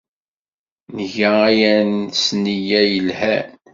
Nga aya s nneyya yelhan.